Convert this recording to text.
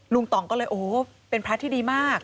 ต่องก็เลยโอ้โหเป็นพระที่ดีมาก